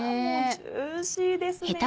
ジューシーですね。